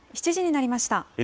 ７時になりました。